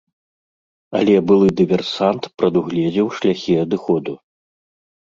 Але былы дыверсант прадугледзеў шляхі адыходу.